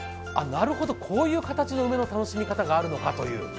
あ、なるほどこういう形の梅の楽しみ方があるのかと。